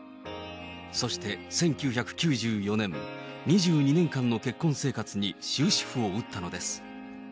そして１９９４年、２２年間の結婚生活に終止符を打ったのです。